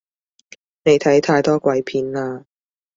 你睇太多鬼片喇